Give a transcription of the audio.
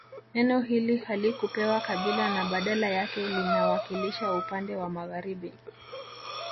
Neno hili halikupewa kabila na badala yake linawakilisha upande wa magharibi